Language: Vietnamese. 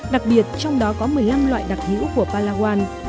đặc biệt trong đó có một mươi năm loại đặc hữu của palawan